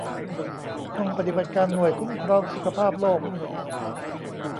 ห้องปฏิบัติการหน่วยคุ้มครองสุขภาพโลก